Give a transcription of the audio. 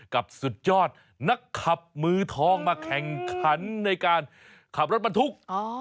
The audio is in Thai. สุดยอดนักขับมือทองมาแข่งขันในการขับรถบรรทุก